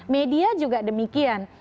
media juga demikian